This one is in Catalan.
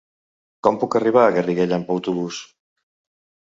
Com puc arribar a Garriguella amb autobús?